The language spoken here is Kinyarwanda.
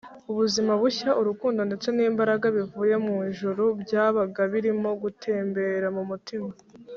ubuzima bushya, urukundo ndetse n’imbaraga bivuye mu ijuru byabaga birimo gutembera mu mitima